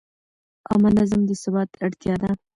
عامه نظم د ثبات اړتیا ده.